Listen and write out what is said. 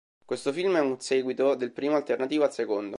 Questo film è un seguito del primo alternativo al secondo.